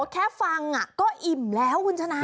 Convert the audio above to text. แค่ฟังก็อิ่มแล้วคุณชนะ